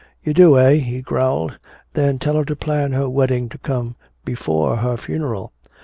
"You do, eh," he growled. "Then tell her to plan her wedding to come before her funeral."